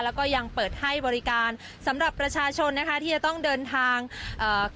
แล้วก็ยังเปิดให้บริการสำหรับประชาชนนะคะที่จะต้องเดินทางเอ่อ